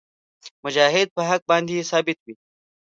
مجاهد په حق باندې ثابت وي.